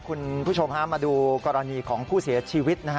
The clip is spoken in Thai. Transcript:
คุณผู้ชมห้ามมาดูกรณีของผู้เสียชีวิต